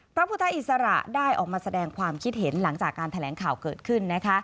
พระพุทธอิสระได้ออกมาแสดงความคิดเห็นหลังจากการแถลงข่าวเกิดขึ้น